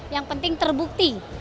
yang penting terbukti